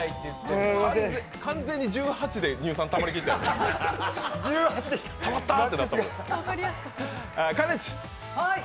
完全に１８で乳酸たまりきってからね。